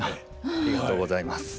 ありがとうございます。